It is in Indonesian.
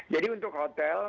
jadi untuk hotel